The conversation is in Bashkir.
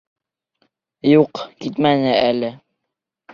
Юҡ, китмәне әле.